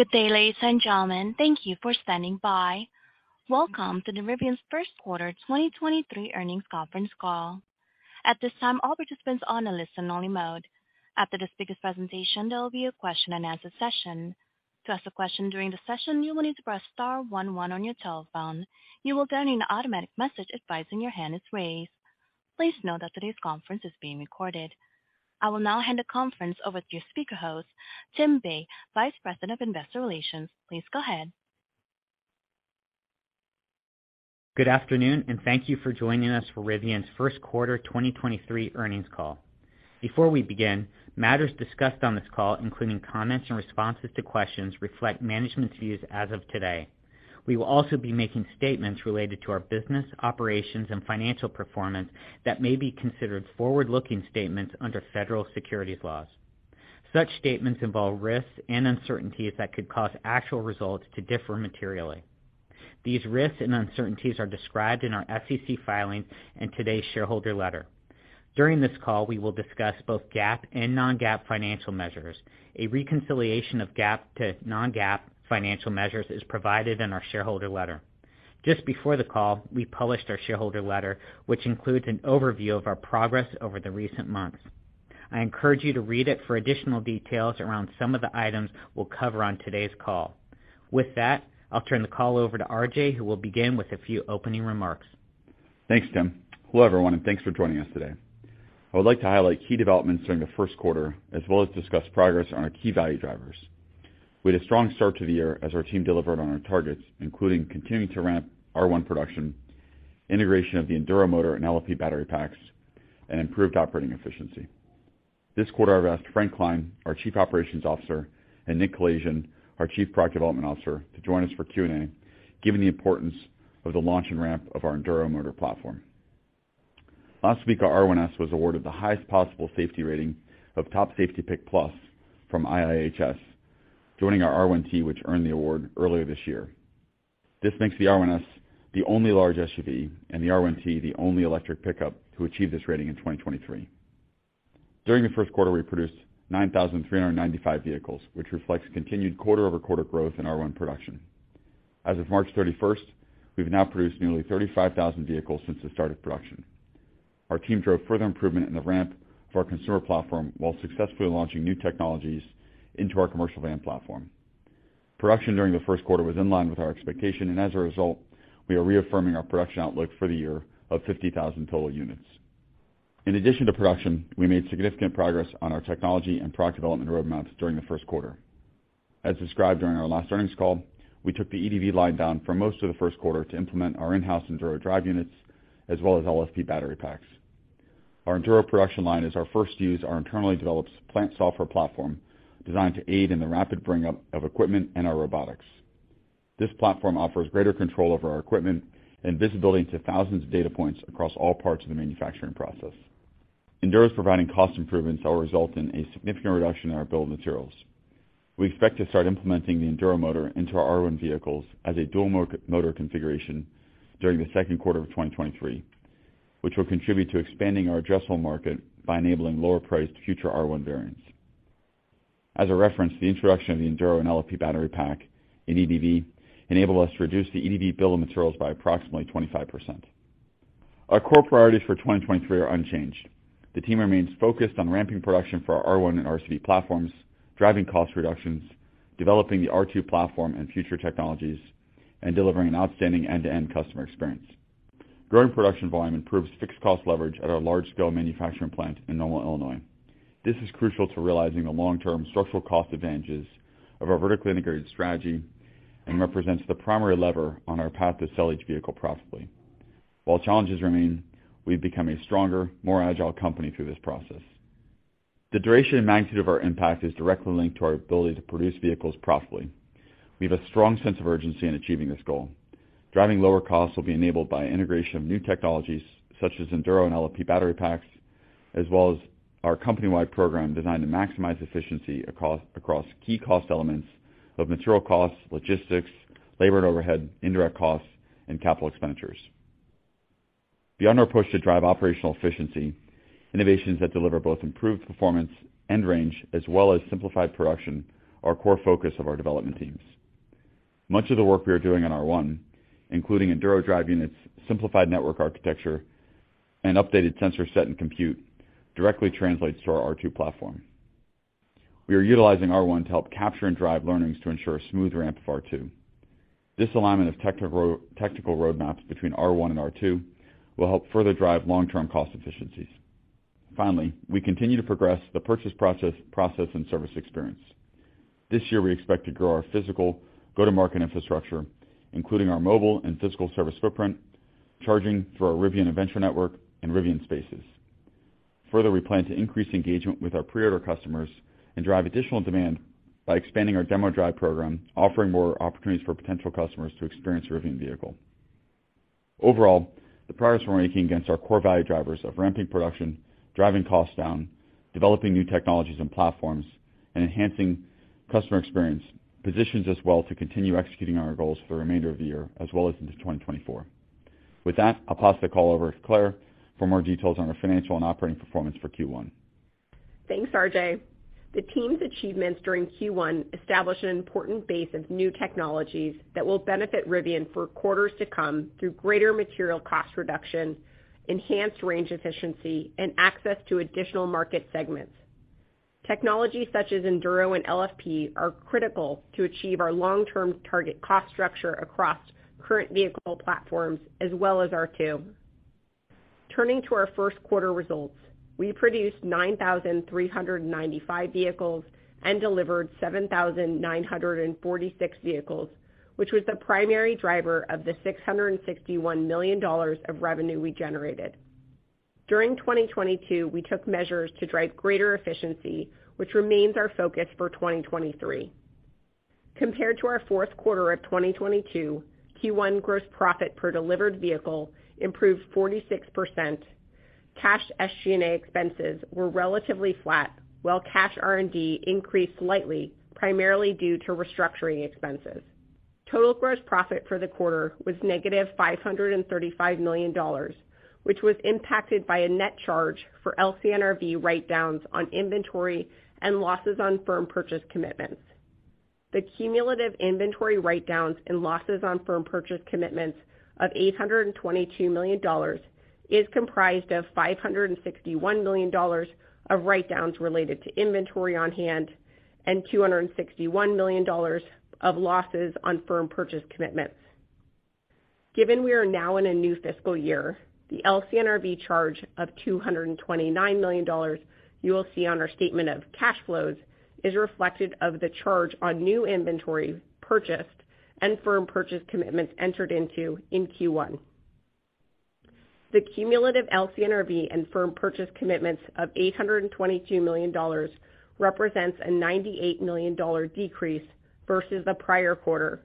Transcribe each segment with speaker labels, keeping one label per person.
Speaker 1: Good day, ladies and gentlemen. Thank you for standing by. Welcome to the Rivian's first quarter 2023 earnings Conference Call. At this time, all participants on a listen only mode. After the speaker's presentation, there will be a question and answer session. To ask a question during the session, you will need to press star one one on your telephone. You will get an automatic message advising your hand is raised. Please note that today's conference is being recorded. I will now hand the conference over to your speaker host, Tim Bei, Vice President of Investor Relations. Please go ahead.
Speaker 2: Good afternoon. Thank you for joining us for Rivian's first quarter 2023 earnings call. Before we begin, matters discussed on this call, including comments and responses to questions, reflect management's views as of today. We will also be making statements related to our business, operations, and financial performance that may be considered forward-looking statements under federal securities laws. Such statements involve risks and uncertainties that could cause actual results to differ materially. These risks and uncertainties are described in our SEC filing and today's shareholder letter. During this call, we will discuss both GAAP and non-GAAP financial measures. A reconciliation of GAAP to non-GAAP financial measures is provided in our shareholder letter. Just before the call, we published our shareholder letter, which includes an overview of our progress over the recent months. I encourage you to read it for additional details around some of the items we'll cover on today's call. With that, I'll turn the call over to RJ, who will begin with a few opening remarks.
Speaker 3: Thanks, Tim. Hello, everyone, and thanks for joining us today. I would like to highlight key developments during the first quarter, as well as discuss progress on our key value drivers. We had a strong start to the year as our team delivered on our targets, including continuing to ramp R1 production, integration of the Enduro motor and LFP battery packs, and improved operating efficiency. This quarter, I've asked Frank Klein, our Chief Operations Officer, and Nick Kalayjian, our Chief Product Development Officer, to join us for Q&A, given the importance of the launch and ramp of our Enduro motor platform. Last week, our R1S was awarded the highest possible safety rating of Top Safety Pick+ from IIHS, joining our R1T, which earned the award earlier this year. This makes the R1S the only large SUV, and the R1T the only electric pickup to achieve this rating in 2023. During the first quarter, we produced 9,395 vehicles, which reflects continued quarter-over-quarter growth in R1 production. As of 31st March we've now produced nearly 35,000 vehicles since the start of production. Our team drove further improvement in the ramp of our consumer platform while successfully launching new technologies into our commercial van platform. Production during the first quarter was in line with our expectation, and as a result, we are reaffirming our production outlook for the year of 50,000 total units. In addition to production, we made significant progress on our technology and product development roadmaps during the first quarter. As described during our last earnings call, we took the EDV line down for most of the first quarter to implement our in-house Enduro drive units as well as LFP battery packs. Our Enduro production line is our first use, our internally developed plant software platform designed to aid in the rapid bring up of equipment and our robotics. This platform offers greater control over our equipment and visibility to thousands of data points across all parts of the manufacturing process. Enduro is providing cost improvements that will result in a significant reduction in our bill of materials. We expect to start implementing the Enduro motor into our R1 vehicles as a Dual-Motor configuration during the second quarter of 2023, which will contribute to expanding our addressable market by enabling lower priced future R1 variants. As a reference, the introduction of the Enduro and LFP battery pack in EDV enable us to reduce the EDV bill of materials by approximately 25%. Our core priorities for 2023 are unchanged. The team remains focused on ramping production for our R1 and R2 platforms, driving cost reductions, developing the R2 platform and future technologies, and delivering an outstanding end-to-end customer experience. Growing production volume improves fixed cost leverage at our large-scale manufacturing plant in Normal, Illinois. This is crucial to realizing the long-term structural cost advantages of our vertically integrated strategy and represents the primary lever on our path to sell each vehicle profitably. While challenges remain, we've become a stronger, more agile company through this process. The duration and magnitude of our impact is directly linked to our ability to produce vehicles profitably. We have a strong sense of urgency in achieving this goal. Driving lower costs will be enabled by integration of new technologies such as Enduro and LFP battery packs, as well as our company-wide program designed to maximize efficiency across key cost elements of material costs, logistics, labor and overhead, indirect costs, and capital expenditures. Beyond our push to drive operational efficiency, innovations that deliver both improved performance and range as well as simplified production are a core focus of our development teams. Much of the work we are doing in R1, including Enduro drive units, simplified network architecture, and updated sensor set and compute, directly translates to our R2 platform. We are utilizing R1 to help capture and drive learnings to ensure a smooth ramp of R2. This alignment of technical roadmaps between R1 and R2 will help further drive long-term cost efficiencies. Finally, we continue to progress the purchase process and service experience. This year, we expect to grow our physical go-to-market infrastructure, including our mobile and physical service footprint, charging through our Rivian Adventure Network and Rivian Spaces. Further, we plan to increase engagement with our pre-order customers and drive additional demand by expanding our demo drive program, offering more opportunities for potential customers to experience a Rivian vehicle. Overall, the progress we're making against our core value drivers of ramping production, driving costs down, developing new technologies and platforms, and enhancing customer experience positions us well to continue executing our goals for the remainder of the year as well as into 2024. With that, I'll pass the call over to Claire for more details on our financial and operating performance for Q1.
Speaker 4: Thanks, RJ. The team's achievements during Q1 establish an important base of new technologies that will benefit Rivian for quarters to come through greater material cost reduction, enhanced range efficiency, and access to additional market segments..Technologies such as Enduro and LFP are critical to achieve our long-term target cost structure across current vehicle platforms as well as R2. Turning to our first quarter results, we produced 9,395 vehicles and delivered 7,946 vehicles, which was the primary driver of the $661 million of revenue we generated. During 2022, we took measures to drive greater efficiency, which remains our focus for 2023. Compared to our fourth quarter of 2022, Q1 gross profit per delivered vehicle improved 46%. Cash SG&A expenses were relatively flat, while cash R&D increased slightly, primarily due to restructuring expenses. Total gross profit for the quarter was negative $535 million, which was impacted by a net charge for LCNRV write-downs on inventory and losses on firm purchase commitments. The cumulative inventory write-downs and losses on firm purchase commitments of $822 million is comprised of $561 million of write-downs related to inventory on hand and $261 million of losses on firm purchase commitments. Given we are now in a new fiscal year, the LCNRV charge of $229 million you will see on our statement of cash flows is reflected of the charge on new inventory purchased and firm purchase commitments entered into in Q1. The cumulative LCNRV and firm purchase commitments of $822 million represents a $98 million decrease versus the prior quarter,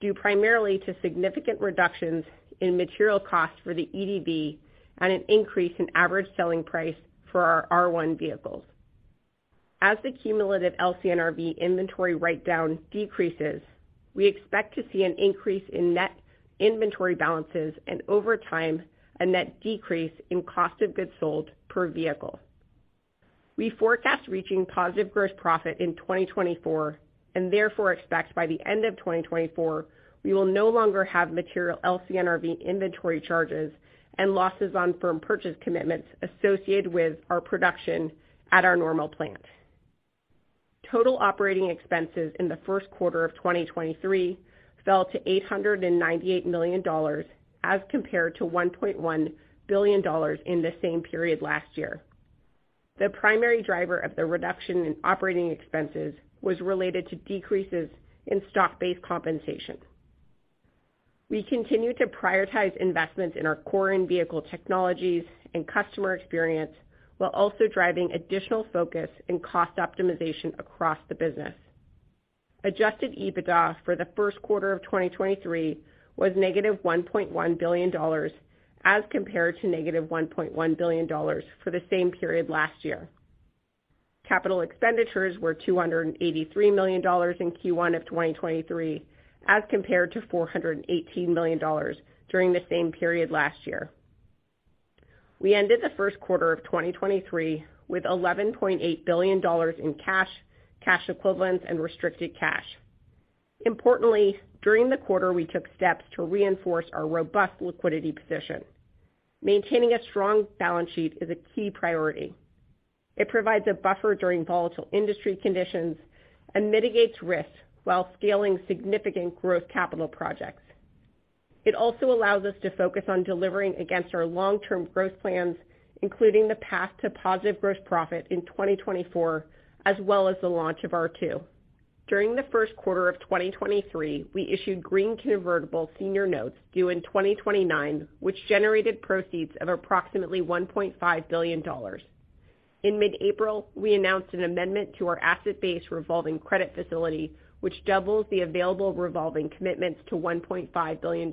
Speaker 4: due primarily to significant reductions in material costs for the EDV and an increase in average selling price for our R1 vehicles. As the cumulative LCNRV inventory write-down decreases, we expect to see an increase in net inventory balances and, over time, a net decrease in cost of goods sold per vehicle. We forecast reaching positive gross profit in 2024, and therefore expect by the end of 2024, we will no longer have material LCNRV inventory charges and losses on firm purchase commitments associated with our production at our Normal plant. Total operating expenses in the first quarter of 2023 fell to $898 million as compared to $1.1 billion in the same period last year. The primary driver of the reduction in operating expenses was related to decreases in stock-based compensation. We continue to prioritize investments in our core in-vehicle technologies and customer experience, while also driving additional focus and cost optimization across the business. Adjusted EBITDA for the first quarter of 2023 was -$1.1 billion as compared to -$1.1 billion for the same period last year. Capital expenditures were $283 million in Q1 of 2023, as compared to $418 million during the same period last year. We ended the first quarter of 2023 with $11.8 billion in cash equivalents and restricted cash. Importantly, during the quarter, we took steps to reinforce our robust liquidity position. Maintaining a strong balance sheet is a key priority. It provides a buffer during volatile industry conditions and mitigates risks while scaling significant growth capital projects. It also allows us to focus on delivering against our long-term growth plans, including the path to positive gross profit in 2024, as well as the launch of R2. During the first quarter of 2023, we issued green convertible senior notes due in 2029, which generated proceeds of approximately $1.5 billion. In mid-April, we announced an amendment to our asset-based revolving credit facility, which doubles the available revolving commitments to $1.5 billion,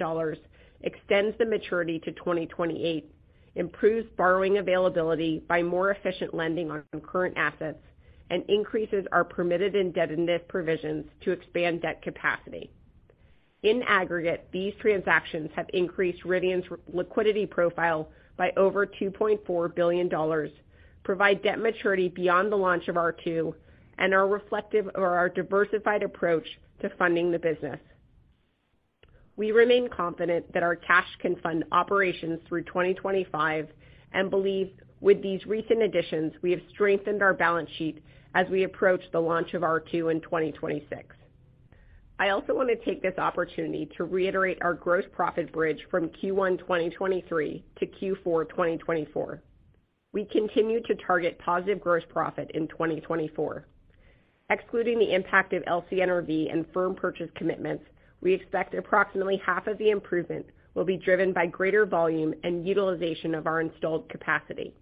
Speaker 4: extends the maturity to 2028, improves borrowing availability by more efficient lending on current assets, and increases our permitted indebtedness provisions to expand debt capacity. In aggregate, these transactions have increased Rivian's liquidity profile by over $2.4 billion, provide debt maturity beyond the launch of R2, and are reflective of our diversified approach to funding the business. We remain confident that our cash can fund operations through 2025 and believe with these recent additions, we have strengthened our balance sheet as we approach the launch of R2 in 2026. I also want to take this opportunity to reiterate our gross profit bridge from Q1 2023 to Q4 2024. We continue to target positive gross profit in 2024. Excluding the impact of LCNRV and firm purchase commitments, we expect approximately half of the improvement will be driven by greater volume and utilization of our installed capacity.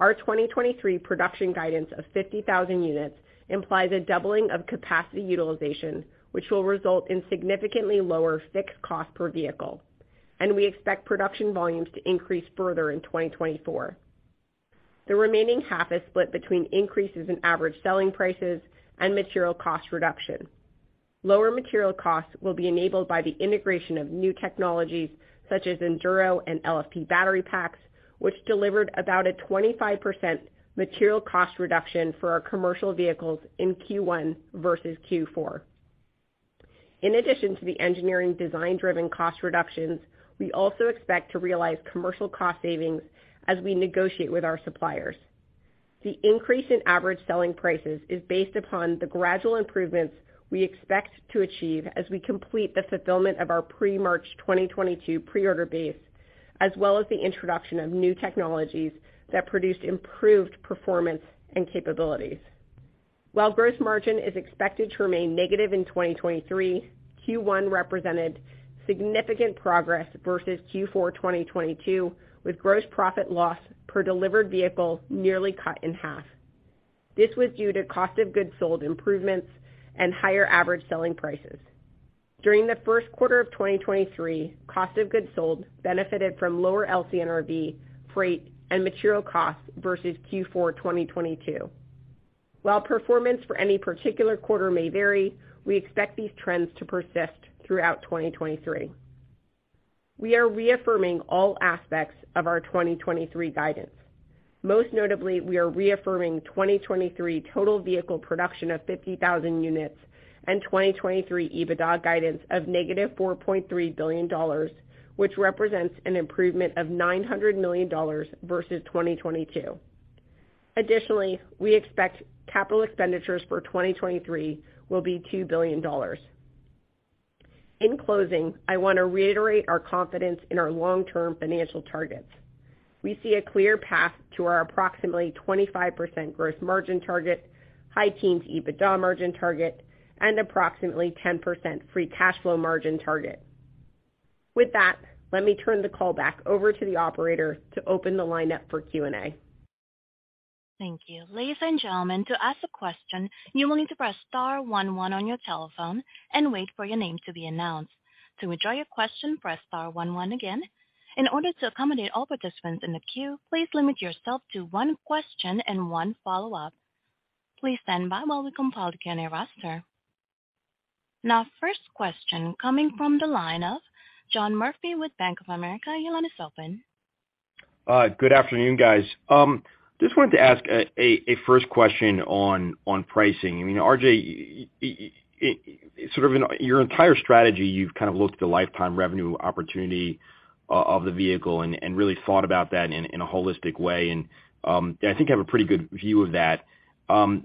Speaker 4: Our 2023 production guidance of 50,000 units implies a doubling of capacity utilization, which will result in significantly lower fixed cost per vehicle. We expect production volumes to increase further in 2024. The remaining half is split between increases in average selling prices and material cost reduction. Lower material costs will be enabled by the integration of new technologies such as Enduro and LFP battery packs, which delivered about a 25% material cost reduction for our commercial vehicles in Q1 versus Q4. In addition to the engineering design-driven cost reductions, we also expect to realize commercial cost savings as we negotiate with our suppliers. The increase in average selling prices is based upon the gradual improvements we expect to achieve as we complete the fulfillment of our pre-March 2022 pre-order base, as well as the introduction of new technologies that produce improved performance and capabilities. While gross margin is expected to remain negative in 2023, Q1 represented significant progress versus Q4 2022, with gross profit loss per delivered vehicle nearly cut in half. This was due to cost of goods sold improvements and higher average selling prices. During the first quarter of 2023, cost of goods sold benefited from lower LCNRV, freight, and material costs versus Q4 2022. While performance for any particular quarter may vary, we expect these trends to persist throughout 2023. We are reaffirming all aspects of our 2023 guidance. Most notably, we are reaffirming 2023 total vehicle production of 50,000 units and 2023 EBITDA guidance of negative $4.3 billion, which represents an improvement of $900 million versus 2022. We expect capital expenditures for 2023 will be $2 billion. In closing, I wanna reiterate our confidence in our long-term financial targets. We see a clear path to our approximately 25% gross margin target, high teens EBITDA margin target, and approximately 10% free cash flow margin target. With that, let me turn the call back over to the operator to open the lineup for Q&A.
Speaker 1: Thank you. Ladies and gentlemen, to ask a question, you will need to Press Star one one on your telephone and wait for your name to be announced. To withdraw your question, press star one one again. In order to accommodate all participants in the queue, please limit yourself to one question and one follow-up. Please stand by while we compile the Q&A roster. Now, first question coming from the line of John Murphy with Bank of America. Your line is open.
Speaker 5: Good afternoon, guys. Just wanted to ask a first question on pricing. I mean, RJ, sort of in your entire strategy, you've kind of looked at the lifetime revenue opportunity of the vehicle and really thought about that in a holistic way. I think you have a pretty good view of that.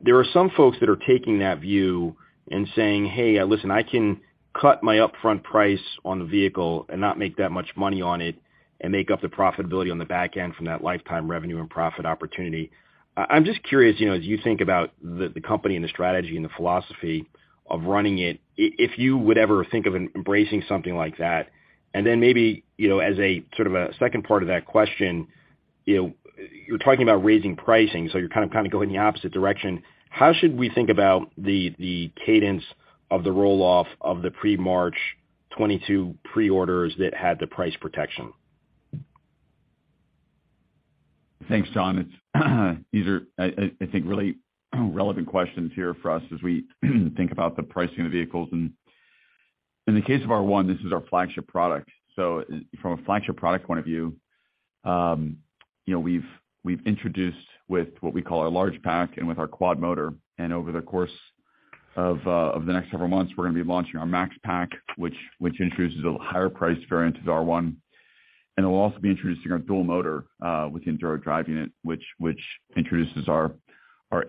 Speaker 5: There are some folks that are taking that view and saying, "Hey, listen, I can cut my upfront price on the vehicle and not make that much money on it and make up the profitability on the back end from that lifetime revenue and profit opportunity." I'm just curious, you know, as you think about the company and the strategy and the philosophy of running it, if you would ever think of embracing something like that? Maybe, you know, as a sort of a second part of that question, you know, you're talking about raising pricing, so you're kind of going the opposite direction. How should we think about the cadence of the roll-off of the pre-March 2022 pre-orders that had the price protection?
Speaker 3: Thanks, John. These are, I think, really relevant questions here for us as we think about the pricing of the vehicles. In the case of R1, this is our flagship product. From a flagship product point of view, you know, we've introduced with what we call our Large Pack and with our Quad-Motor, over the course of the next several months, we're gonna be launching our Max Pack, which introduces a higher price variant to the R1. We'll also be introducing our Dual-Motor with Enduro drive unit, which introduces our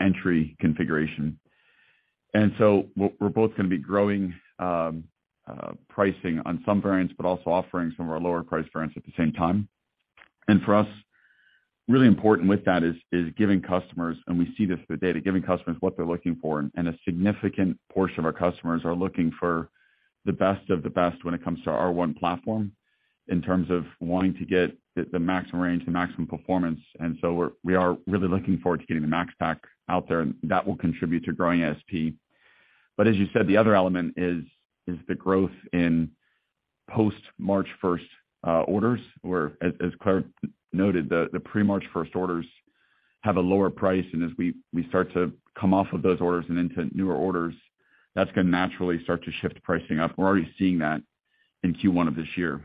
Speaker 3: entry configuration. We're both gonna be growing pricing on some variants, but also offering some of our lower price variants at the same time. For us, really important with that is giving customers, and we see this with the data, giving customers what they're looking for. A significant portion of our customers are looking for the best of the best when it comes to our R1 platform in terms of wanting to get the maximum range and maximum performance. So we are really looking forward to getting the Max Pack out there, and that will contribute to growing ASP. As you said, the other element is the growth in post-March first orders, where, as Claire noted, the pre-March first orders have a lower price. As we start to come off of those orders and into newer orders, that's gonna naturally start to shift pricing up. We're already seeing that in Q1 of this year.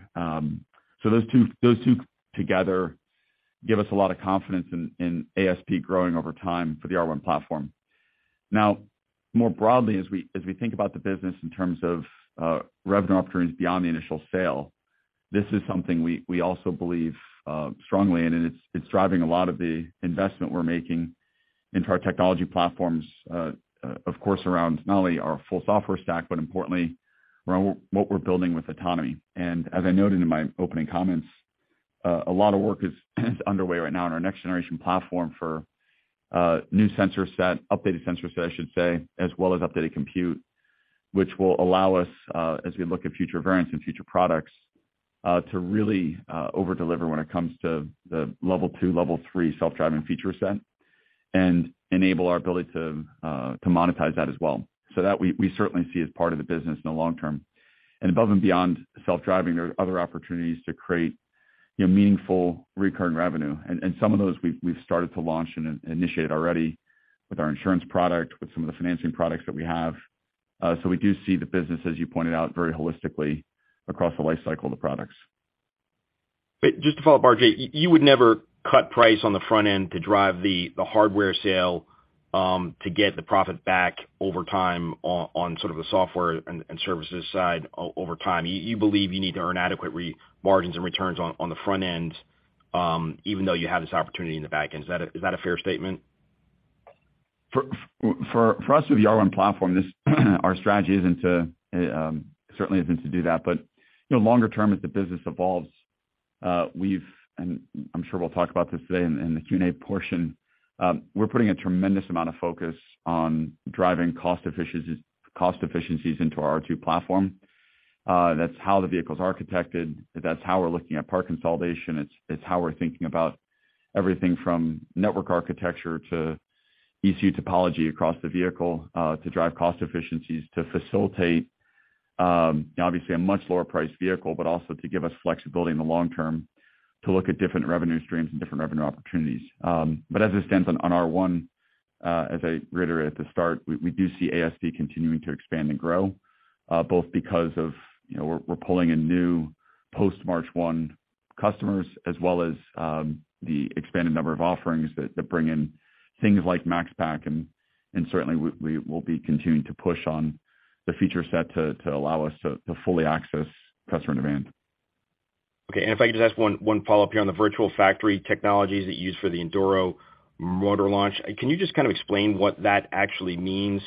Speaker 3: Those two, those two together give us a lot of confidence in ASP growing over time for the R1 platform. Now, more broadly, as we, as we think about the business in terms of revenue opportunities beyond the initial sale, this is something we also believe strongly in, and it's driving a lot of the investment we're making into our technology platforms, of course, around not only our full software stack, but importantly around what we're building with autonomy. As I noted in my opening comments, a lot of work is underway right now in our next generation platform for new sensor set, updated sensor set, I should say, as well as updated compute, which will allow us, as we look at future variants and future products, to really over-deliver when it comes to the Level two, Level three self-driving feature set. And enable our ability to monetize that as well. That we certainly see as part of the business in the long term. Above and beyond self-driving, there are other opportunities to create, you know, meaningful recurring revenue. Some of those we've started to launch and initiate already with our insurance product, with some of the financing products that we have. We do see the business, as you pointed out, very holistically across the life cycle of the products.
Speaker 5: Just to follow up, RJ, you would never cut price on the front end to drive the hardware sale to get the profit back over time on sort of the software and services side over time. You believe you need to earn adequate margins and returns on the front end, even though you have this opportunity in the back end. Is that a fair statement?
Speaker 3: For us with the R1 platform, this, our strategy isn't to certainly isn't to do that. You know, longer term, as the business evolves, I'm sure we'll talk about this today in the Q&A portion. We're putting a tremendous amount of focus on driving cost efficiencies into our R2 platform. That's how the vehicle's architected. That's how we're looking at part consolidation. It's how we're thinking about everything from network architecture to ECU topology across the vehicle, to drive cost efficiencies to facilitate, obviously a much lower-priced vehicle, but also to give us flexibility in the long term to look at different revenue streams and different revenue opportunities. As it stands on R1, as I reiterated at the start, we do see ASP continuing to expand and grow, both because of, you know, we're pulling in new post 1st March customers as well as, the expanded number of offerings that bring in things like Max Pack and certainly we will be continuing to push on the feature set to allow us to fully access customer demand.
Speaker 5: Okay. If I could just ask one follow-up here on the virtual factory technologies that you used for the Enduro motor launch. Can you just kind of explain what that actually means?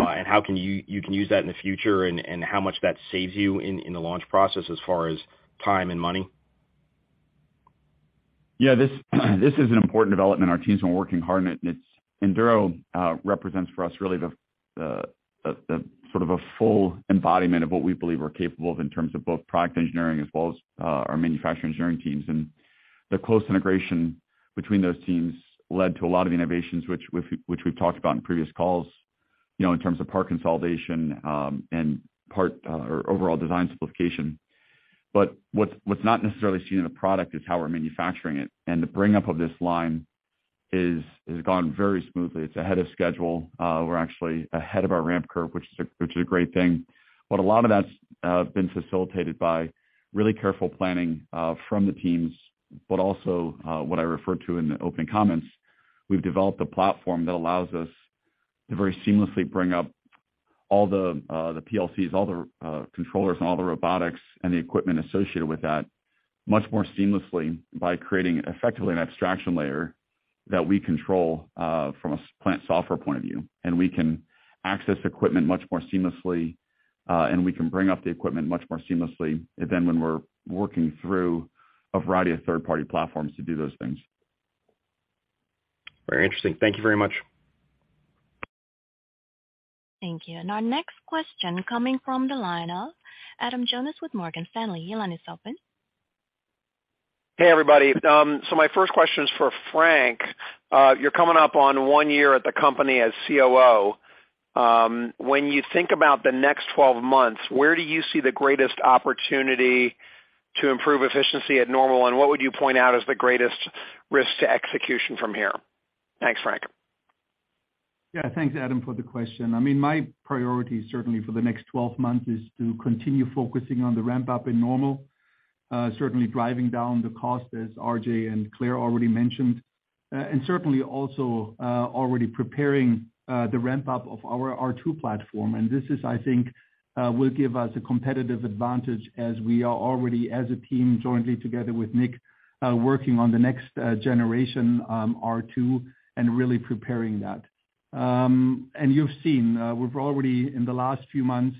Speaker 5: How can you use that in the future, and how much that saves you in the launch process as far as time and money?
Speaker 3: Yeah, this is an important development. Our team's been working hard on it, and Enduro represents for us really the sort of a full embodiment of what we believe we're capable of in terms of both product engineering as well as our manufacturing engineering teams. The close integration between those teams led to a lot of innovations which we've talked about in previous calls, you know, in terms of part consolidation, and part or overall design simplification. What's not necessarily seen in the product is how we're manufacturing it. The bring up of this line has gone very smoothly. It's ahead of schedule. We're actually ahead of our ramp curve, which is a great thing. A lot of that's been facilitated by really careful planning from the teams, but also what I referred to in the opening comments, we've developed a platform that allows us to very seamlessly bring up all the PLCs, all the controllers and all the robotics and the equipment associated with that much more seamlessly by creating effectively an abstraction layer that we control from a plant software point of view. We can access equipment much more seamlessly, and we can bring up the equipment much more seamlessly than when we're working through a variety of third-party platforms to do those things.
Speaker 5: Very interesting. Thank you very much.
Speaker 1: Thank you. Our next question coming from the line of Adam Jonas with Morgan Stanley. Your line is open.
Speaker 6: Hey, everybody. My first question is for Frank. You're coming up on 1 year at the company as COO. When you think about the next 12 months, where do you see the greatest opportunity to improve efficiency at Normal, and what would you point out as the greatest risk to execution from here? Thanks, Frank.
Speaker 7: Yeah. Thanks, Adam, for the question. I mean, my priority certainly for the next 12 months is to continue focusing on the ramp up in Normal, certainly driving down the cost as RJ and Claire already mentioned. Certainly also, already preparing the ramp up of our R2 platform. This is, I think, will give us a competitive advantage as we are already as a team jointly together with Nick, working on the next generation R2 and really preparing that. You've seen, we've already in the last few months,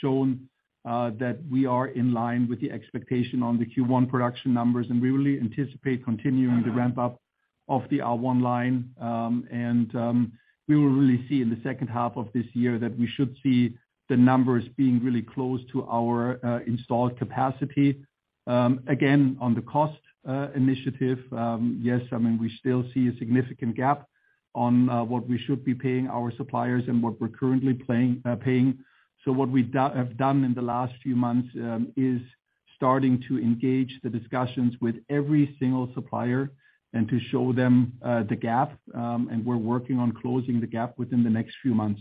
Speaker 7: shown that we are in line with the expectation on the Q1 production numbers, and we really anticipate continuing the ramp up of the R1 line. We will really see in the second half of this year that we should see the numbers being really close to our installed capacity. Again, on the cost initiative, yes, I mean, we still see a significant gap on what we should be paying our suppliers and what we're currently paying. What we have done in the last few months is starting to engage the discussions with every single supplier and to show them the gap, and we're working on closing the gap within the next few months.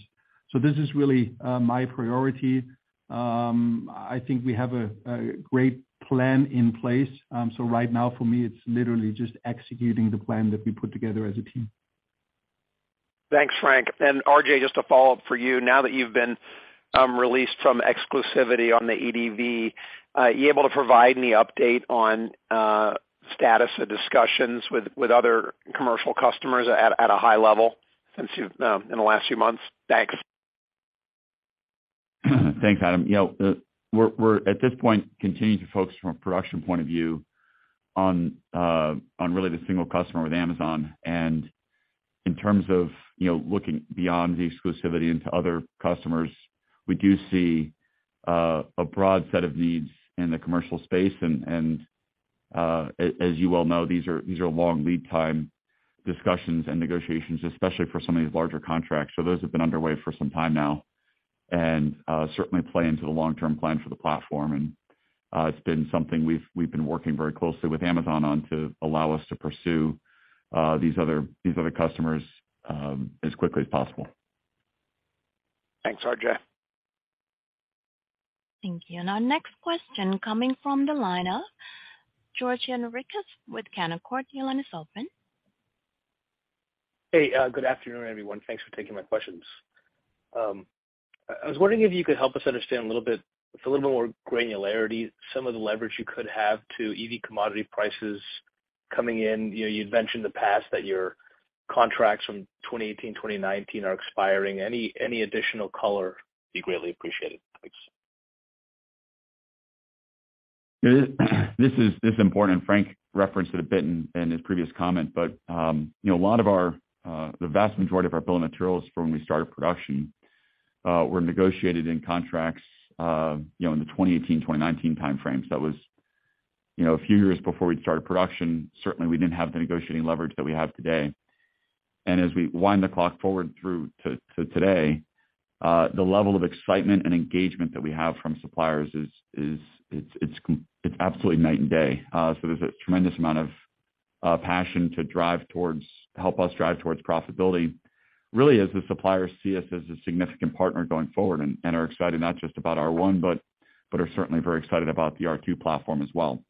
Speaker 7: This is really my priority. I think we have a great plan in place. Right now for me, it's literally just executing the plan that we put together as a team.
Speaker 6: Thanks, Frank. RJ, just a follow-up for you. Now that you've been released from exclusivity on the EDV, are you able to provide any update on status of discussions with other commercial customers at a high level since you've in the last few months? Thanks.
Speaker 3: Thanks, Adam. You know, we're at this point continuing to focus from a production point of view on really the single customer with Amazon. In terms of, you know, looking beyond the exclusivity into other customers, we do see a broad set of needs in the commercial space. As you well know, these are long lead time discussions and negotiations, especially for some of these larger contracts. Those have been underway for some time now and certainly play into the long-term plan for the platform. It's been something we've been working very closely with Amazon on to allow us to pursue these other customers as quickly as possible. Thanks, RJ.
Speaker 1: Thank you. Our next question coming from the line of George Gianarikas with Canaccord. Your line is open.
Speaker 8: Hey, good afternoon, everyone. Thanks for taking my questions. I was wondering if you could help us understand a little bit, with a little more granularity, some of the leverage you could have to EV commodity prices coming in. You know, you'd mentioned in the past that your contracts from 2018, 2019 are expiring. Any additional color be greatly appreciated. Thanks.
Speaker 3: This is important, Frank referenced it a bit in his previous comment, but, you know, a lot of our, the vast majority of our bill of materials from when we started production, were negotiated in contracts, you know, in the 2018, 2019 timeframes. That was, you know, a few years before we'd started production. Certainly, we didn't have the negotiating leverage that we have today. As we wind the clock forward through to today, the level of excitement and engagement that we have from suppliers is it's absolutely night and day. There's a tremendous amount of passion to help us drive towards profitability, really, as the suppliers see us as a significant partner going forward and are excited not just about R1, but are certainly very excited about the R2 platform as well.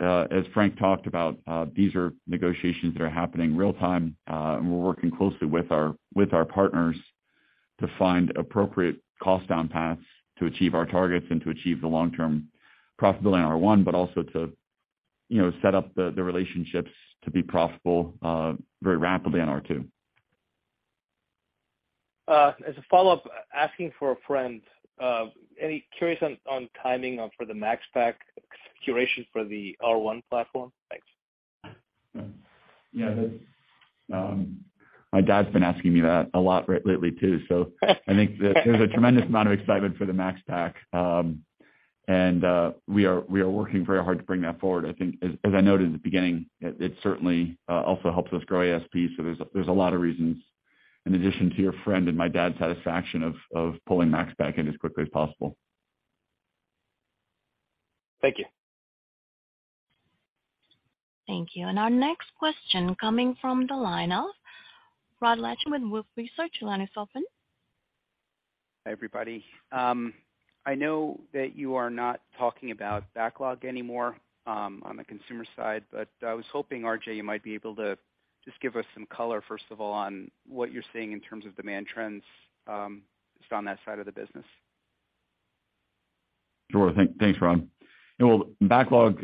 Speaker 3: As Frank talked about, these are negotiations that are happening real-time, and we're working closely with our partners to find appropriate cost down paths to achieve our targets and to achieve the long-term profitability on R1, but also to, you know, set up the relationships to be profitable very rapidly on R2.
Speaker 8: As a follow-up, asking for a friend, curious on timing on for the Max Pack curation for the R1 platform? Thanks.
Speaker 3: My dad's been asking me that a lot lately, too. I think there's a tremendous amount of excitement for the Max Pack. We are working very hard to bring that forward. I think, as I noted at the beginning, it certainly also helps us grow ASP. There's a lot of reasons in addition to your friend and my dad's satisfaction of pulling Max Pack in as quickly as possible.
Speaker 8: Thank you.
Speaker 1: Thank you. Our next question coming from the line of Rod Lache with Wolfe Research. Your line is open.
Speaker 9: Hi, everybody. I know that you are not talking about backlog anymore, on the consumer side, but I was hoping, RJ, you might be able to just give us some color, first of all, on what you're seeing in terms of demand trends, just on that side of the business.
Speaker 3: Sure thing. Thanks, Rod. Backlog,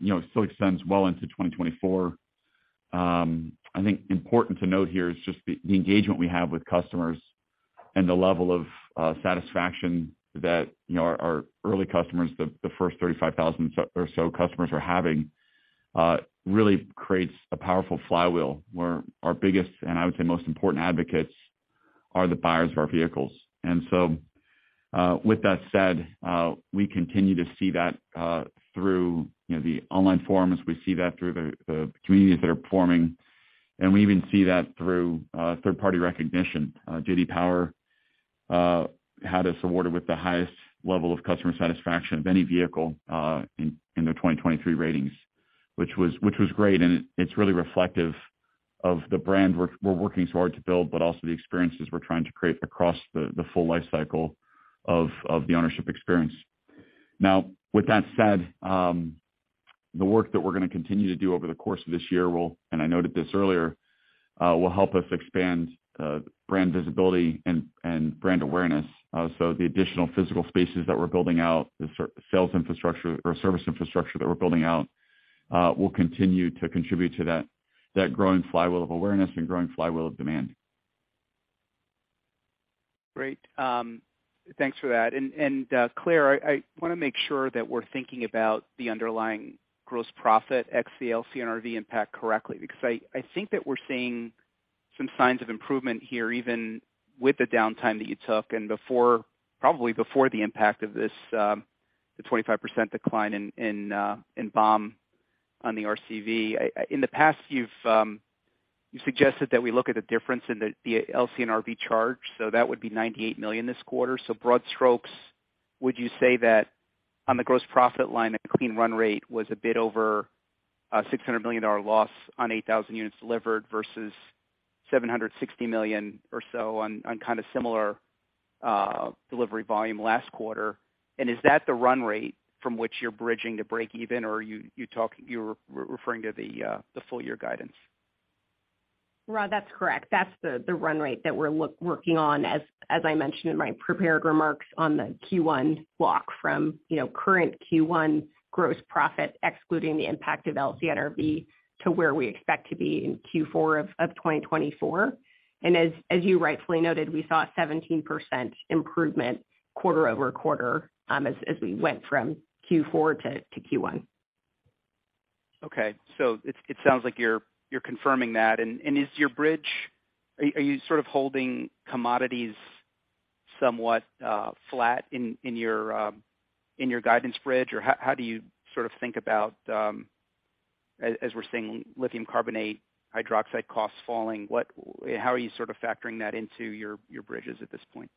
Speaker 3: you know, still extends well into 2024. I think important to note here is just the engagement we have with customers and the level of satisfaction that, you know, our early customers, the first 35,000 or so customers are having, really creates a powerful flywheel, where our biggest, and I would say most important advocates, are the buyers of our vehicles. With that said, we continue to see that through, you know, the online forums. We see that through the communities that are performing, and we even see that through third-party recognition. J.D. J.D. Power had us awarded with the highest level of customer satisfaction of any vehicle in their 2023 ratings, which was great. It's really reflective of the brand we're working so hard to build, but also the experiences we're trying to create across the full life cycle of the ownership experience. With that said, the work that we're gonna continue to do over the course of this year will, and I noted this earlier, will help us expand brand visibility and brand awareness. The additional physical spaces that we're building out, the sales infrastructure or service infrastructure that we're building out, will continue to contribute to that growing flywheel of awareness and growing flywheel of demand.
Speaker 9: Great. Thanks for that. Claire, I want to make sure that we're thinking about the underlying gross profit ex the LCNRV impact correctly, because I think that we're seeing some signs of improvement here, even with the downtime that you took and before, probably before the impact of this, the 25% decline in BOM on the RCV. In the past, you've suggested that we look at the difference in the LCNRV charge, so that would be $98 million this quarter. Broad strokes, would you say that on the gross profit line, a clean run rate was a bit over a $600 million loss on 8,000 units delivered versus $760 million or so on kind of similar delivery volume last quarter? Is that the run rate from which you're bridging to breakeven, or are you were referring to the full year guidance?
Speaker 4: Rod, that's correct. That's the run rate that we're working on, as I mentioned in my prepared remarks on the Q1 walk from, you know, current Q1 gross profit, excluding the impact of LCNRV to where we expect to be in Q4 of 2024. As you rightfully noted, we saw a 17% improvement quarter-over-quarter as we went from Q4 to Q1.
Speaker 9: It sounds like you're confirming that. Is your bridge... Are you sort of holding commodities? Somewhat, flat in your guidance bridge or how do you sort of think about, as we're seeing lithium carbonate hydroxide costs falling, how are you sort of factoring that into your bridges at this point?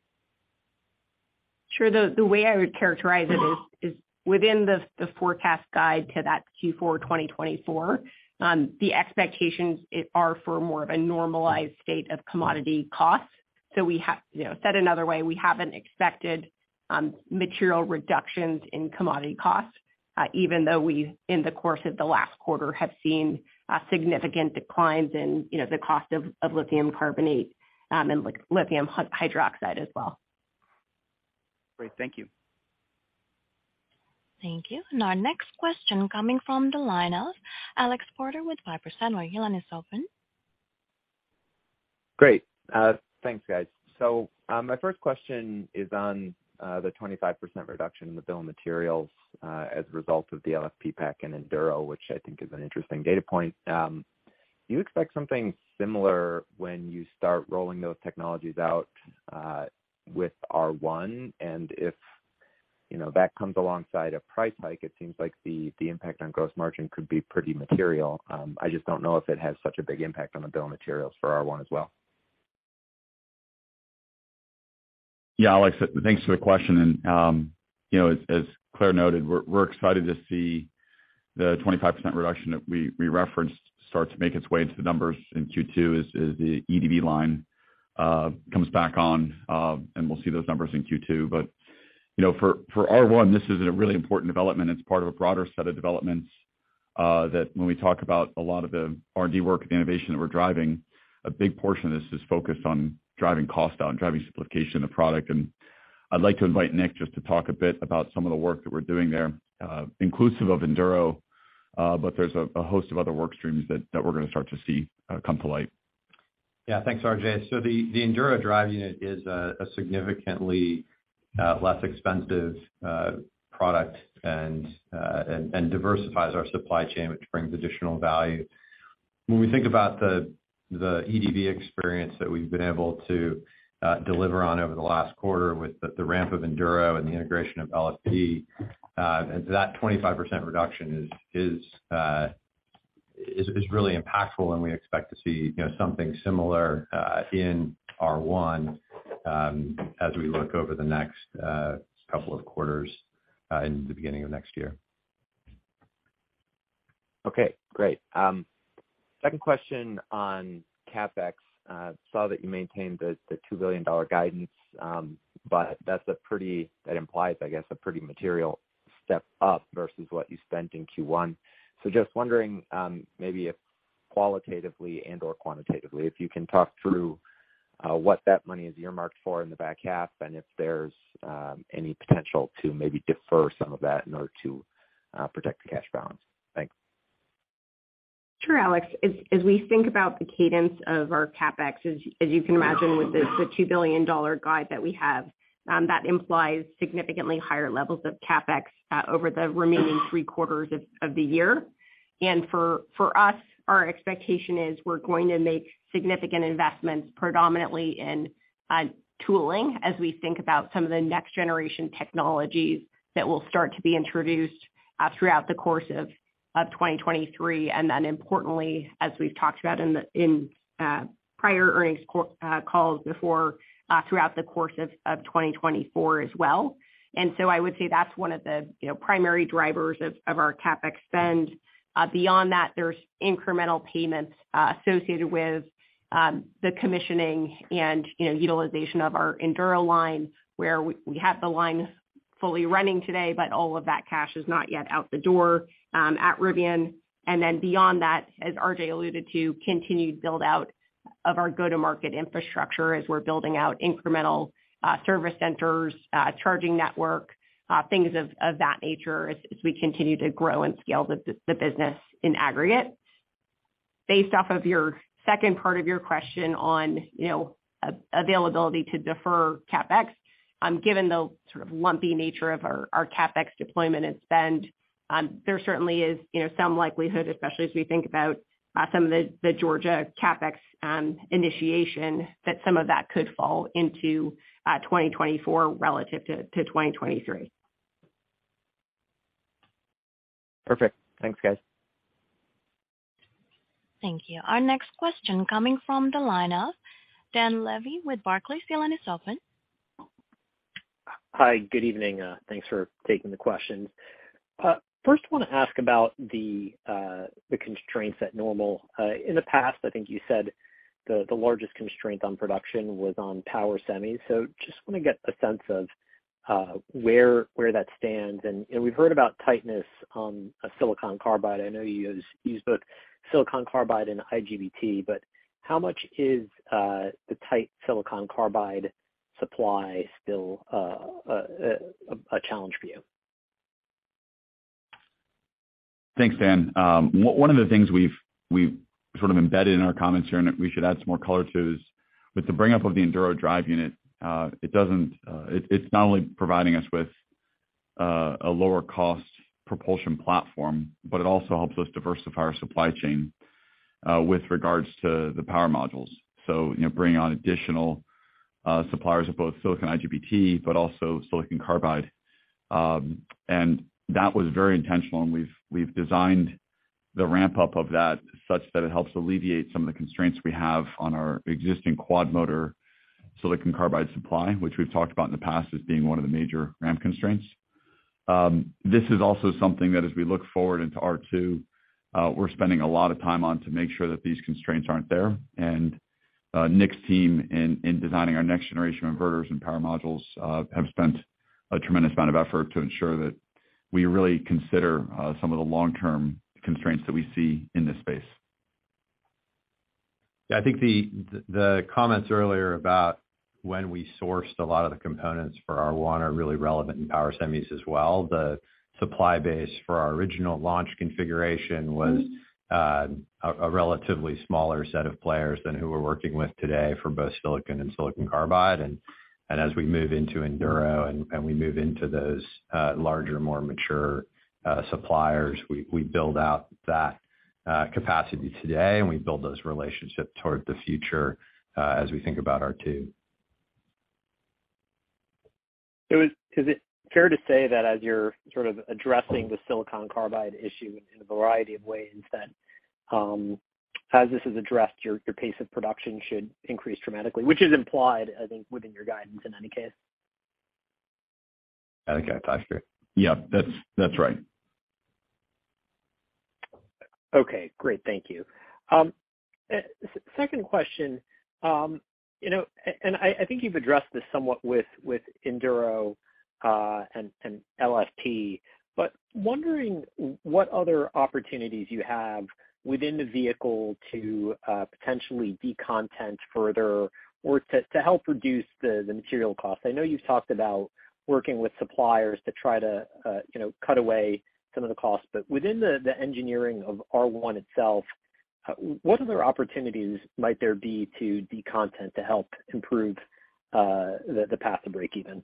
Speaker 4: The way I would characterize it is within the forecast guide to that Q4 2024, the expectations are for more of a normalized state of commodity costs. You know, said another way, we haven't expected material reductions in commodity costs, even though we, in the course of the last quarter, have seen significant declines in, you know, the cost of lithium carbonate and lithium hydroxide as well.
Speaker 9: Great. Thank you.
Speaker 1: Thank you. Our next question coming from the line of Alex Potter with Piper Sandler. Your line is open.
Speaker 10: Great. Thanks, guys. My first question is on the 25% reduction in the bill of materials, as a result of the LFP pack and Enduro, which I think is an interesting data point. Do you expect something similar when you start rolling those technologies out with R1? If, you know, that comes alongside a price hike, it seems like the impact on gross margin could be pretty material. I just don't know if it has such a big impact on the bill of materials for R1 as well.
Speaker 3: Yeah, Alex, thanks for the question. you know, as Claire noted, we're excited to see the 25% reduction that we referenced start to make its way into the numbers in Q2 as the EDV line comes back on, and we'll see those numbers in Q2. you know, for R1, this is a really important development. It's part of a broader set of developments that when we talk about a lot of the R&D work and innovation that we're driving, a big portion of this is focused on driving cost out and driving simplification of product. I'd like to invite Nick just to talk a bit about some of the work that we're doing there, inclusive of Enduro, but there's a host of other work streams that we're gonna start to see, come to light.
Speaker 11: Yeah. Thanks, RJ. The Enduro drive unit is a significantly less expensive product and diversifies our supply chain, which brings additional value. When we think about the EDV experience that we've been able to deliver on over the last quarter with the ramp of Enduro and the integration of LFP, that 25% reduction is really impactful, and we expect to see, you know, something similar in R1, as we look over the next couple of quarters into the beginning of next year.
Speaker 10: Okay, great. Second question on CapEx. Saw that you maintained the $2 billion guidance. That implies, I guess, a pretty material step up versus what you spent in Q1. Just wondering, maybe if qualitatively and/or quantitatively, if you can talk through what that money is earmarked for in the back half and if there's any potential to maybe defer some of that in order to protect the cash balance? Thanks.
Speaker 4: Sure, Alex. As we think about the cadence of our CapEx, as you can imagine with this, the $2 billion guide that we have, that implies significantly higher levels of CapEx over the remaining three quarters of the year. For us, our expectation is we're going to make significant investments predominantly in tooling as we think about some of the next generation technologies that will start to be introduced throughout the course of 2023. Importantly, as we've talked about in prior Earnings calls before, throughout the course of 2024 as well. I would say that's one of the, you know, primary drivers of our CapEx spend. Beyond that, there's incremental payments associated with, you know, utilization of our Enduro line, where we have the line fully running today, but all of that cash is not yet out the door at Rivian. Beyond that, as RJ alluded to, continued build-out of our go-to-market infrastructure as we're building out incremental service centers, charging network, things of that nature as we continue to grow and scale the business in aggregate. Based off of your second part of your question on, you know, availability to defer CapEx, given the sort of lumpy nature of our CapEx deployment and spend, there certainly is, you know, some likelihood, especially as we think about some of the Georgia CapEx initiation, that some of that could fall into 2024 relative to 2023.
Speaker 10: Perfect. Thanks, guys.
Speaker 1: Thank you. Our next question coming from the line of Dan Levy with Barclays. Your line is open.
Speaker 12: Hi. Good evening. Thanks for taking the questions. First I wanna ask about the constraints at Normal. In the past, I think you said the largest constraint on production was on power semis. Just wanna get a sense of where that stands. You know, we've heard about tightness on silicon carbide. I know you use both silicon carbide and IGBT, but how much is the tight silicon carbide supply still a challenge for you?
Speaker 3: Thanks, Dan. One of the things we've sort of embedded in our comments here, and we should add some more color to, is with the bring up of the Enduro drive unit, it doesn't, it's not only providing us with a lower cost propulsion platform, but it also helps us diversify our supply chain with regards to the power modules. You know, bringing on additional suppliers of both silicon IGBT, but also silicon carbide. That was very intentional, and we've designed the ramp-up of that such that it helps alleviate some of the constraints we have on our existing Quad-Motor silicon carbide supply, which we've talked about in the past as being one of the major ramp constraints. This is also something that as we look forward into R2, we're spending a lot of time on to make sure that these constraints aren't there. Nick's team in designing our next generation inverters and power modules, have spent a tremendous amount of effort to ensure that we really consider, some of the long-term constraints that we see in this space.
Speaker 11: Yeah, I think the comments earlier about when we sourced a lot of the components for R1 are really relevant in power semis as well. The supply base for our original launch configuration was a relatively smaller set of players than who we're working with today for both silicon and silicon carbide. As we move into Enduro and we move into those larger, more mature, suppliers, we build out that capacity today, and we build those relationships towards the future, as we think about R2.
Speaker 12: Is it fair to say that as you're sort of addressing the silicon carbide issue in a variety of ways, that as this is addressed, your pace of production should increase dramatically, which is implied, I think, within your guidance in any case?
Speaker 3: I think I got that. Yeah. That's right.
Speaker 12: Okay, great. Thank you. Second question, you know, and I, and I think you've addressed this somewhat with Enduro and LFP. Wondering what other opportunities you have within the vehicle to potentially decontent further or to help reduce the material costs. I know you've talked about working with suppliers to try to, you know, cut away some of the costs. Within the engineering of R1 itself, what other opportunities might there be to decontent to help improve the path to breakeven?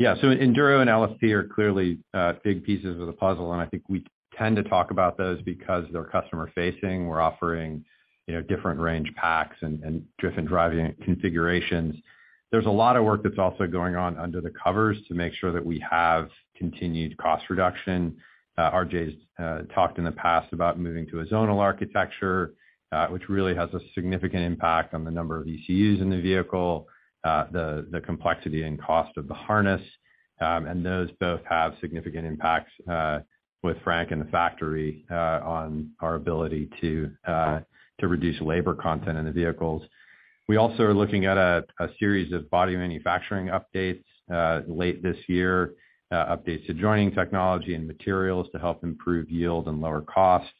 Speaker 11: Yeah. Enduro and LFP are clearly big pieces of the puzzle, and I think we tend to talk about those because they're customer facing. We're offering, you know, different range packs and different driving configurations. There's a lot of work that's also going on under the covers to make sure that we have continued cost reduction. RJ's talked in the past about moving to a zonal architecture, which really has a significant impact on the number of ECUs in the vehicle, the complexity and cost of the harness. And those both have significant impacts with Frank and the factory, on our ability to reduce labor content in the vehicles. We also are looking at a series of body manufacturing updates late this year, updates to joining technology and materials to help improve yield and lower costs.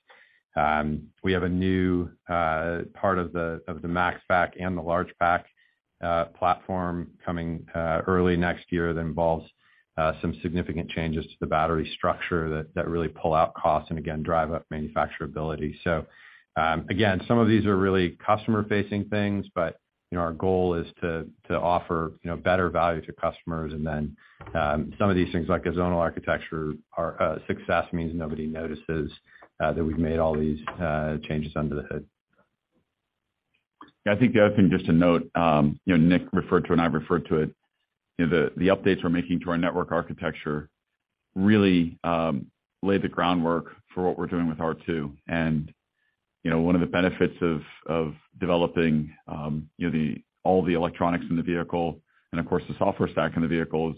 Speaker 11: We have a new part of the Max Pack and the Large Pack platform coming early next year that involves some significant changes to the battery structure that really pull out costs and again, drive up manufacturability. Again, some of these are really customer-facing things, but, you know, our goal is to offer, you know, better value to customers. Some of these things like a zonal architecture, our success means nobody notices that we've made all these changes under the hood.
Speaker 3: I think the other thing just to note, you know, Nick referred to it and I referred to it, you know, the updates we're making to our network architecture really lay the groundwork for what we're doing with R2. You know, one of the benefits of developing, you know, all the electronics in the vehicle and of course the software stack in the vehicle is,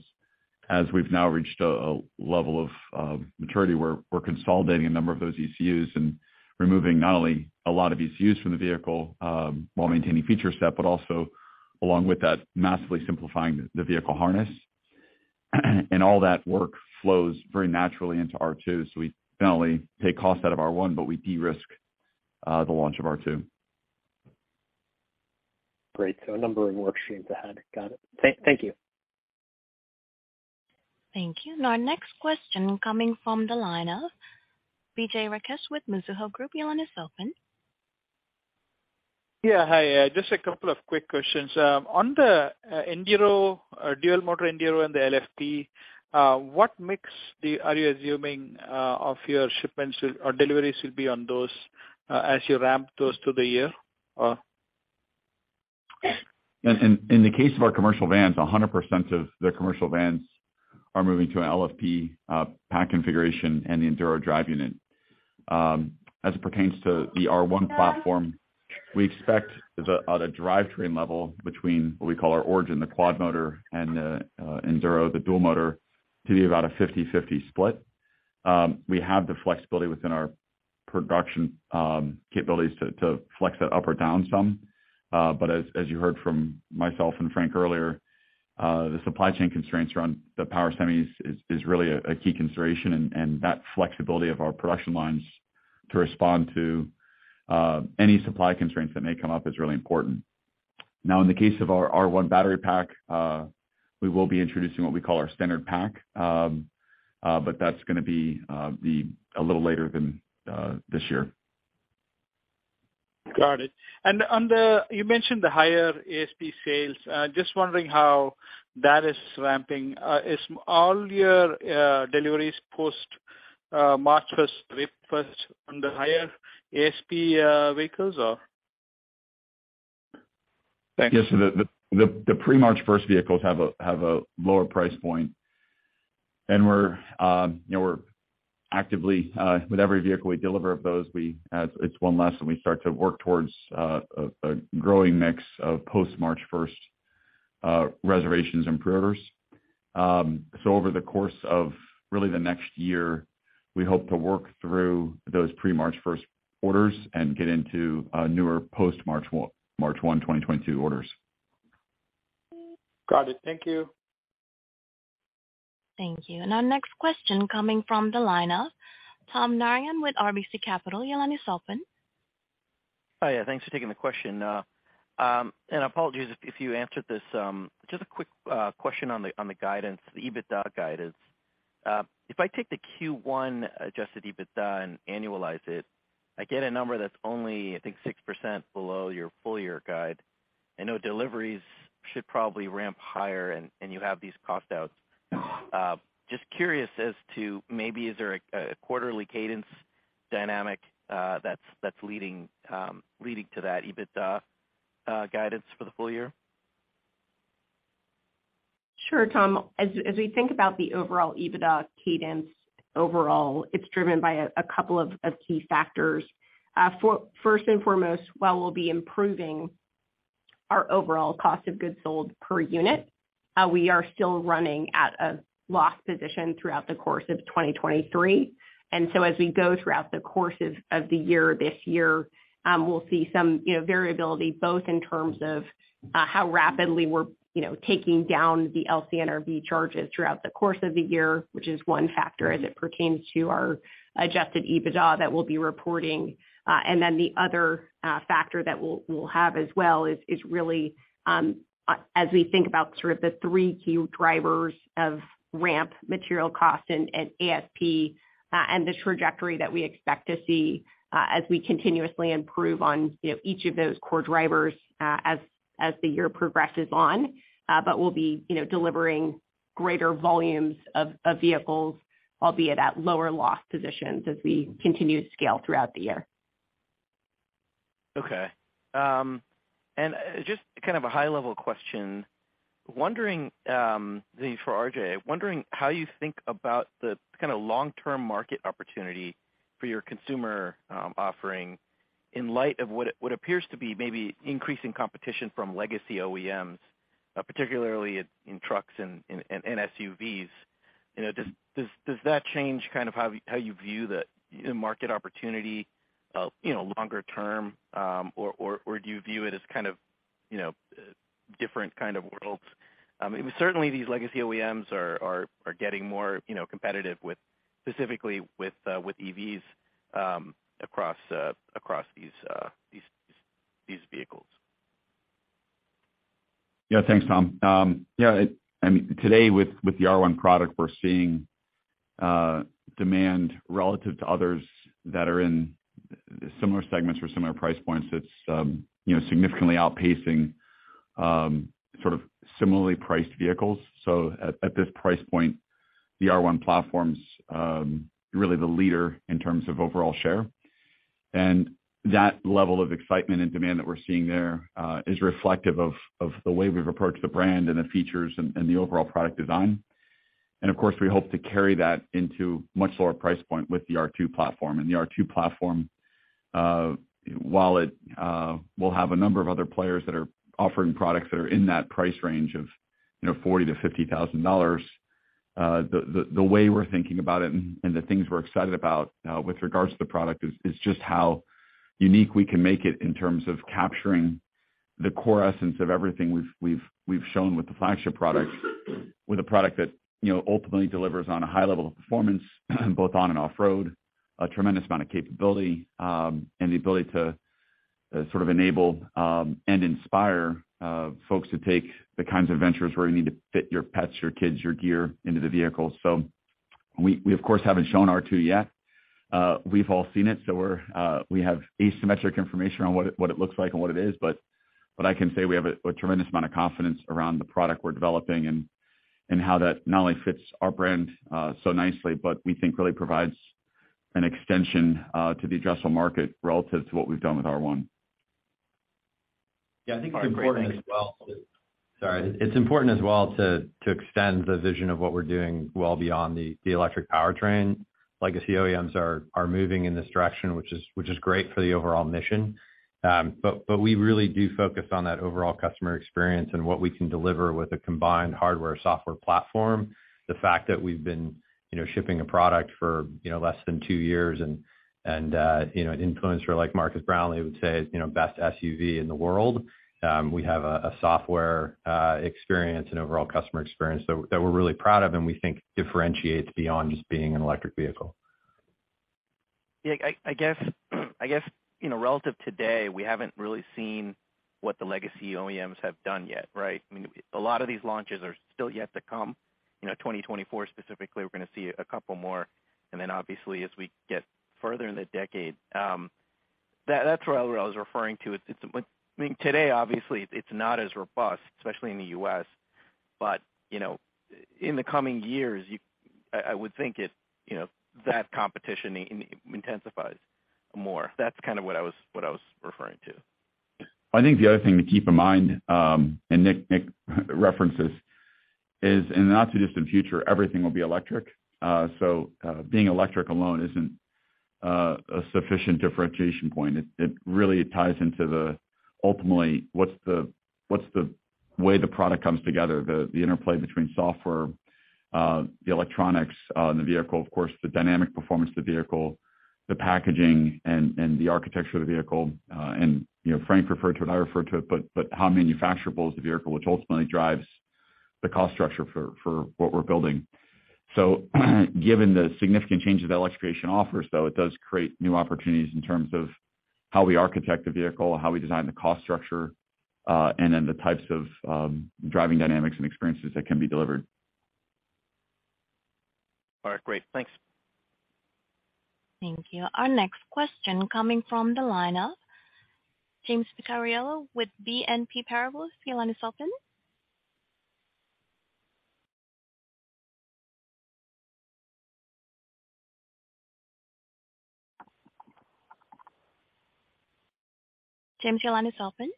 Speaker 3: as we've now reached a level of maturity, we're consolidating a number of those ECUs and removing not only a lot of ECUs from the vehicle, while maintaining feature set, but also along with that, massively simplifying the vehicle harness. All that work flows very naturally into R2. We not only take costs out of R1, but we de-risk the launch of R2.
Speaker 12: Great. A number of work streams ahead. Got it. Thank you.
Speaker 1: Thank you. Our next question coming from the line of Vijay Rakesh with Mizuho Group. Your line is open.
Speaker 13: Yeah, hi. Just a couple of quick questions. On the Dual-Motor Enduro and the LFP, what mix are you assuming of your shipments or deliveries will be on those as you ramp those through the year?
Speaker 3: In the case of our commercial vans, 100% of the commercial vans are moving to an LFP pack configuration and the Enduro drive unit. As it pertains to the R1 platform, we expect the, at a drivetrain level between what we call our Origin, the Quad-Motor and the Enduro, the Dual-Motor, to be about a 50/50 split. We have the flexibility within our production capabilities to flex that up or down some. But as you heard from myself and Frank earlier, the supply chain constraints around the power semis is really a key consideration, and that flexibility of our production lines to respond to any supply constraints that may come up is really important. In the case of our R1 battery pack, we will be introducing what we call our Standard Pack. That's gonna be a little later than this year.
Speaker 13: Got it. You mentioned the higher ASP sales. Just wondering how that is ramping. Is all your deliveries post March first, on the higher ASP vehicles or? Thanks.
Speaker 3: Yes. The pre 1st March vehicles have a lower price point. We're, you know, we're actively with every vehicle we deliver of those, as it's one less and we start to work towards a growing mix of post-March 1st reservations and pre-orders. Over the course of really the next year, we hope to work through those pre-March 1st orders and get into newer post 1st March, 1st March 2022 orders.
Speaker 13: Got it. Thank you.
Speaker 1: Thank you. Our next question coming from the line of Tom Narayan with RBC Capital, James Picariello.
Speaker 14: Hi. Thanks for taking the question. Apologies if you answered this. Just a quick question on the guidance, the EBITDA guidance. If I take the Q1 adjusted EBITDA and annualize it, I get a number that's only, I think, 6% below your full year guide. I know deliveries should probably ramp higher and you have these cost outs. Just curious as to maybe is there a quarterly cadence dynamic that's leading to that EBITDA guidance for the full year?
Speaker 4: Sure, Tom. As we think about the overall EBITDA cadence overall, it's driven by a couple of key factors. First and foremost, while we'll be improving our overall cost of goods sold per unit, we are still running at a loss position throughout the course of 2023. As we go throughout the course of the year this year, we'll see some, you know, variability both in terms of how rapidly we're, you know, taking down the LCNRV charges throughout the course of the year, which is one factor as it pertains to our adjusted EBITDA that we'll be reporting. The other factor that we'll have as well is really as we think about sort of the three key drivers of ramp material costs and ASP and the trajectory that we expect to see as we continuously improve on, you know, each of those core drivers as the year progresses on. We'll be, you know, delivering greater volumes of vehicles, albeit at lower loss positions as we continue to scale throughout the year.
Speaker 14: Okay. Just kind of a high level question. Wondering, this is for RJ, wondering how you think about the kind of long-term market opportunity for your consumer, offering in light of what appears to be maybe increasing competition from legacy OEMs, particularly in trucks and SUVs. You know, does that change kind of how you, how you view the market opportunity, you know, longer term? Do you view it as kind of, you know, different kind of worlds? Certainly these legacy OEMs are getting more, you know, competitive with, specifically with EVs, across these vehicles.
Speaker 3: Yeah. Thanks, Tom. Yeah, I mean, today with the R1 product, we're seeing demand relative to others that are in similar segments or similar price points that's, you know, significantly outpacing sort of similarly priced vehicles. At, at this price point, the R1 platform's really the leader in terms of overall share. That level of excitement and demand that we're seeing there is reflective of the way we've approached the brand and the features and the overall product design. Of course, we hope to carry that into much lower price point with the R2 platform. The R2 platform, while it will have a number of other players that are offering products that are in that price range of, you know, $40,000-$50,000, the way we're thinking about it and the things we're excited about, with regards to the product is just how unique we can make it in terms of capturing the core essence of everything we've shown with the flagship product, with a product that, you know, ultimately delivers on a high level of performance both on and off road, a tremendous amount of capability, and the ability to, sort of enable, and inspire, folks to take the kinds of ventures where you need to fit your pets, your kids, your gear into the vehicle. We of course haven't shown R2 yet. We've all seen it, so we're we have asymmetric information on what it looks like and what it is. What I can say, we have a tremendous amount of confidence around the product we're developing and how that not only fits our brand so nicely, but we think really provides an extension to the addressable market relative to what we've done with R1.
Speaker 13: Yeah, I think it's important as well.
Speaker 3: Sorry. It's important as well to extend the vision of what we're doing well beyond the electric powertrain. Legacy OEMs are moving in this direction, which is great for the overall mission. We really do focus on that overall customer experience and what we can deliver with a combined hardware, software platform. The fact that we've been, you know, shipping a product for, you know, less than two years and, you know, an influencer like Marques Brownlee would say, you know, best SUV in the world. We have a software experience and overall customer experience that we're really proud of and we think differentiates beyond just being an electric vehicle.
Speaker 14: Yeah. I guess, you know, relative today, we haven't really seen what the legacy OEMs have done yet, right? I mean, a lot of these launches are still yet to come. You know, 2024 specifically, we're gonna see a couple more. Obviously as we get further in the decade, that's what I was referring to. I mean, today obviously it's not as robust, especially in the U.S. You know, in the coming years, I would think it, you know, that competition intensifies more. That's kind of what I was referring to.
Speaker 3: I think the other thing to keep in mind, and Nick references is, in the not too distant future, everything will be electric. Being electric alone isn't a sufficient differentiation point. It really ties into the ultimately what's the way the product comes together, the interplay between software, the electronics, the vehicle, of course, the dynamic performance of the vehicle, the packaging and the architecture of the vehicle. You know, Frank referred to it, I referred to it, but how manufacturable is the vehicle, which ultimately drives the cost structure for what we're building. Given the significant changes that electrification offers, though, it does create new opportunities in terms of how we architect the vehicle, how we design the cost structure, and then the types of driving dynamics and experiences that can be delivered.
Speaker 14: All right, great. Thanks.
Speaker 1: Thank you. Our next question coming from the line of James Picariello with BNP Paribas. Your line is open. James, your line is open.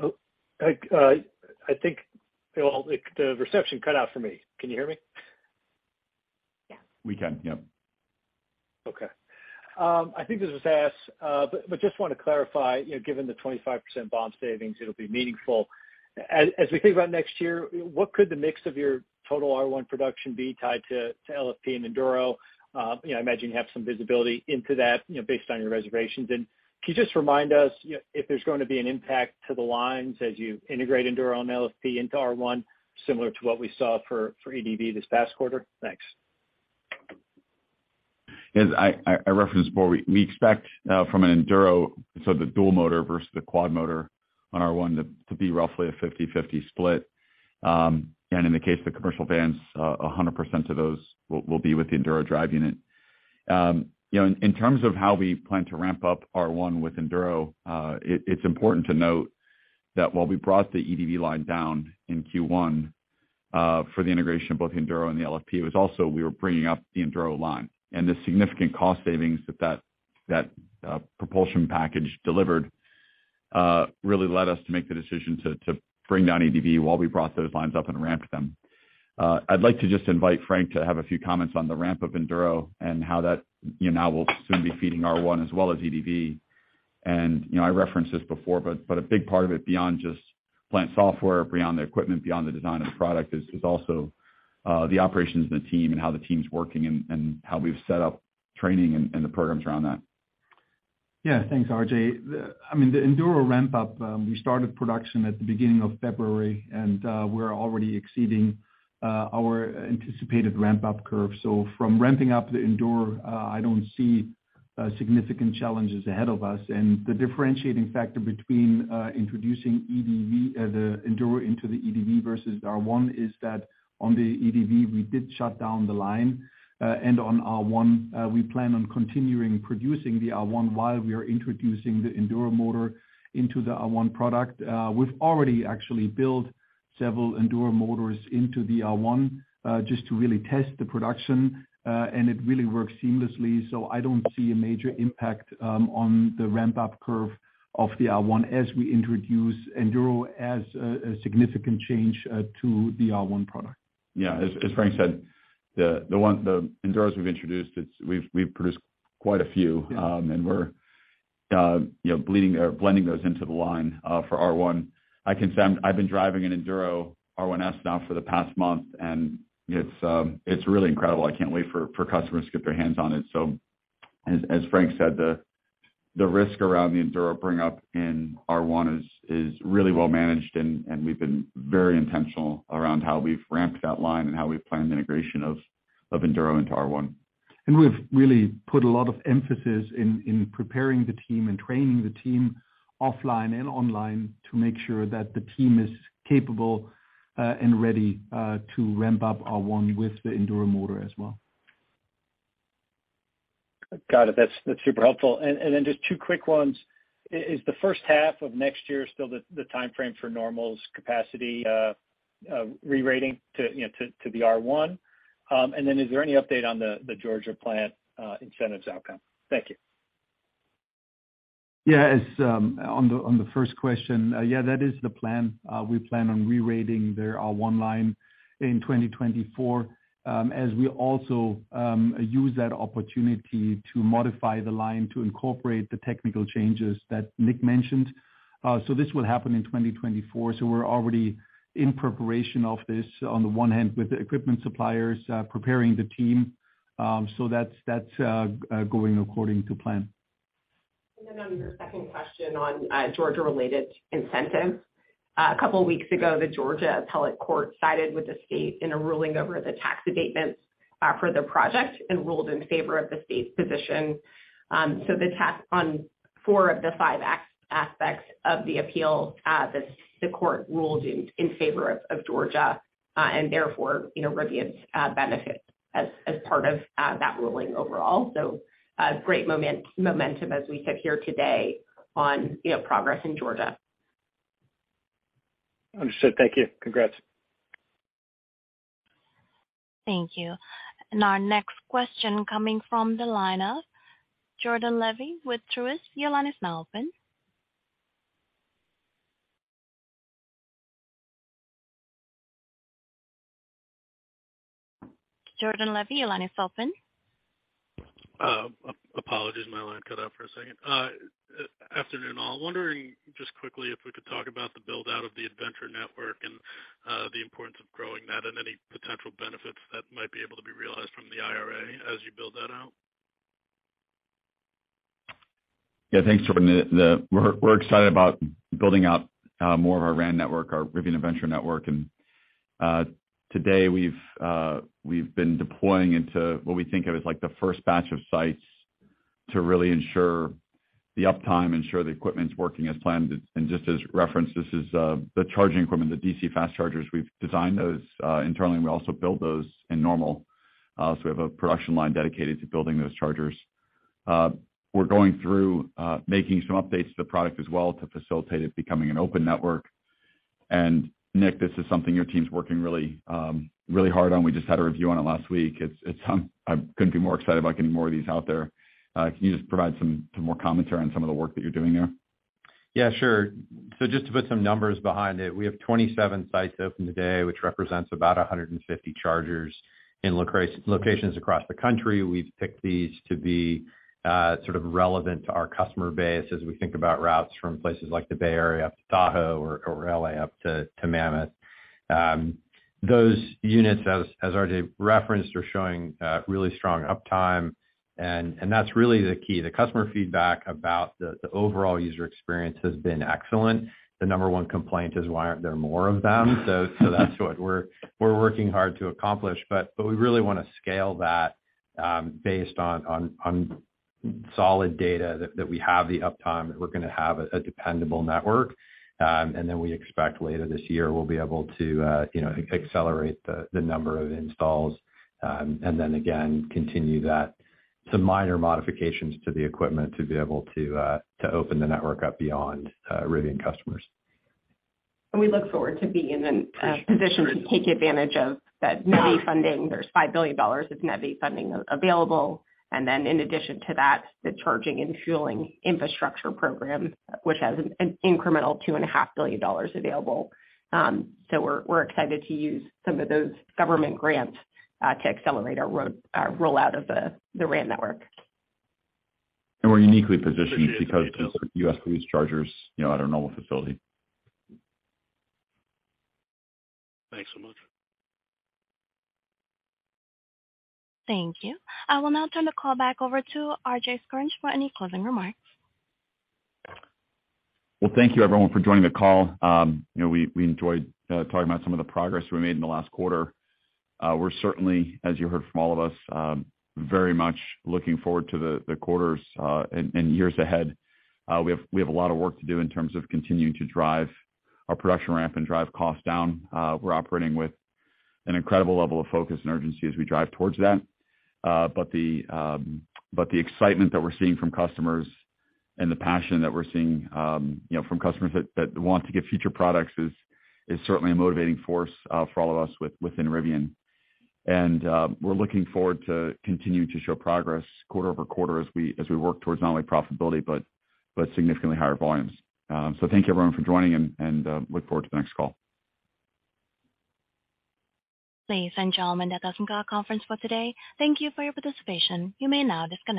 Speaker 15: Oh, I think the reception cut out for me. Can you hear me?
Speaker 4: Yeah.
Speaker 3: We can. Yep.
Speaker 15: Okay. I think this was asked, but just want to clarify, you know, given the 25% BOM savings, it'll be meaningful. As we think about next year, what could the mix of your total R1 production be tied to LFP and Enduro? You know, I imagine you have some visibility into that, you know, based on your reservations. Can you just remind us if there's going to be an impact to the lines as you integrate Enduro and LFP into R1, similar to what we saw for EDV this past quarter? Thanks.
Speaker 3: As I referenced before, we expect from an Enduro, so the Dual-Motor versus the Quad-Motor on R1 to be roughly a 50/50 split. In the case of the commercial vans, 100% of those will be with the Enduro drive unit. You know, in terms of how we plan to ramp up R1 with Enduro, it's important to note that while we brought the EDV line down in Q1 for the integration of both Enduro and the LFP, it was also we were bringing up the Enduro line. The significant cost savings that propulsion package delivered really led us to make the decision to bring down EDV while we brought those lines up and ramped them. I'd like to just invite Frank to have a few comments on the ramp of Enduro and how that, you know, now will soon be feeding R1 as well as EDV. You know, I referenced this before, but a big part of it beyond just plant software, beyond the equipment, beyond the design of the product is also the operations of the team and how the team's working and how we've set up training and the programs around that.
Speaker 7: Yeah. Thanks, RJ. I mean, the Enduro ramp-up, we started production at the beginning of February, we're already exceeding our anticipated ramp-up curve. From ramping up the Enduro, I don't see significant challenges ahead of us. The differentiating factor between introducing EDV, the Enduro into the EDV versus R1 is that on the EDV, we did shut down the line. On R1, we plan on continuing producing the R1 while we are introducing the Enduro motor into the R1 product. We've already actually built several Enduro motors into the R1, just to really test the production, and it really works seamlessly. I don't see a major impact on the ramp-up curve of the R1 as we introduce Enduro as a significant change to the R1 product.
Speaker 3: Yeah. As Frank said, the Enduros we've introduced, we've produced quite a few.
Speaker 7: Yeah.
Speaker 3: And we're, you know, bleeding or blending those into the line for R1. I can say I've been driving an Enduro R1S now for the past month, and it's really incredible. I can't wait for customers to get their hands on it. As Frank said, the risk around the Enduro bring up in R1 is really well managed and we've been very intentional around how we've ramped that line and how we've planned the integration of Enduro into R1.
Speaker 7: We've really put a lot of emphasis in preparing the team and training the team offline and online to make sure that the team is capable, and ready, to ramp up R1 with the Enduro motor as well.
Speaker 15: Got it. That's super helpful. Then just two quick ones. Is the first half of next year still the timeframe for Normal's capacity, rerating to, you know, to the R1? Then is there any update on the Georgia plant, incentives outcome? Thank you.
Speaker 7: Yeah. As on the first question, that is the plan. We plan on rerating the R1 line in 2024 as we also use that opportunity to modify the line to incorporate the technical changes that Nick mentioned. This will happen in 2024, so we're already in preparation of this on the one hand with the equipment suppliers, preparing the team. That's going according to plan.
Speaker 4: On your second question on Georgia-related incentives. two weeks ago, the Georgia Court of Appeals sided with the state in a ruling over the tax abatements for the project and ruled in favor of the state's position. The tax on four of the five aspects of the appeal, the court ruled in favor of Georgia, and therefore, you know, Rivian's benefit as part of that ruling overall. Great momentum as we sit here today on, you know, progress in Georgia.
Speaker 15: Understood. Thank you. Congrats.
Speaker 1: Thank you. Our next question coming from the line of Jordan Levy with Truist. Your line is now open. Jordan Levy, your line is open.
Speaker 16: Apologies. My line cut out for a second. Afternoon, all. Wondering just quickly if we could talk about the build-out of the Adventure Network and the importance of growing that and any potential benefits that might be able to be realized from the IRA as you build that out?
Speaker 3: Yeah. Thanks, Jordan Levy. The We're excited about building out more of our RAN network, our Rivian Adventure Network. Today, we've been deploying into what we think of as, like, the first batch of sites to really ensure the uptime, ensure the equipment's working as planned. Just as reference, this is the charging equipment, the DC fast chargers. We've designed those internally, and we also build those in Normal. We have a production line dedicated to building those chargers. We're going through making some updates to the product as well to facilitate it becoming an open network. Nick Kalayjian, this is something your team's working really hard on. We just had a review on it last week. It's I couldn't be more excited about getting more of these out there. Can you just provide some more commentary on some of the work that you're doing there?
Speaker 11: Yeah, sure. Just to put some numbers behind it, we have 27 sites open today, which represents about 150 chargers in locale locations across the country. We've picked these to be sort of relevant to our customer base as we think about routes from places like the Bay Area up to Tahoe or LA up to Mammoth. Those units, as RJ referenced, are showing really strong uptime. And that's really the key. The customer feedback about the overall user experience has been excellent. The number one complaint is why aren't there more of them? So that's what we're working hard to accomplish. But we really wanna scale that based on solid data that we have the uptime, that we're gonna have a dependable network. We expect later this year we'll be able to, you know, accelerate the number of installs, and then again continue that. Some minor modifications to the equipment to be able to open the network up beyond Rivian customers.
Speaker 4: We look forward to being in a position to take advantage of that NEVI funding. There's $5 billion of NEVI funding available. Then in addition to that, the Charging and Fueling Infrastructure Grant Program, which has an incremental $2.5 billion available. We're excited to use some of those government grants to accelerate our rollout of the RAN network.
Speaker 11: We're uniquely positioned because we produce chargers, you know, at our Normal facility.
Speaker 16: Thanks so much.
Speaker 1: Thank you. I will now turn the call back over to RJ Scaringe for any closing remarks.
Speaker 3: Well, thank you everyone for joining the call. You know, we enjoyed talking about some of the progress we made in the last quarter. We're certainly, as you heard from all of us, very much looking forward to the quarters and years ahead. We have a lot of work to do in terms of continuing to drive our production ramp and drive costs down. We're operating with an incredible level of focus and urgency as we drive towards that. The excitement that we're seeing from customers and the passion that we're seeing, you know, from customers that want to get future products is certainly a motivating force for all of us within Rivian. We're looking forward to continuing to show progress quarter-over-quarter as we work towards not only profitability, but significantly higher volumes. Thank you everyone for joining and look forward to the next call.
Speaker 1: Ladies and gentlemen, that does end our conference for today. Thank you for your participation. You may now disconnect.